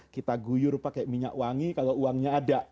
kita guyur pakai minyak wangi kalau uangnya ada